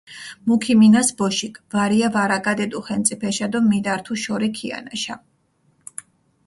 მუ ქიმინას ბოშიქ, ვარია ვარაგადედუ ხენწიფეშა დო მიდართუ შორი ქიანაშა.